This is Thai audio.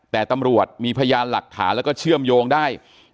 แต่ตำรวจมีพยานหลักฐานแล้วก็เชื่อมโยงได้